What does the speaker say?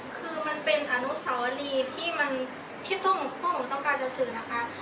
คือมันเป็นอนุสาวรีที่มันคือคุณหมอต้องการสื่อนะครับ